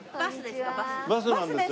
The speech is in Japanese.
『バス』なんです。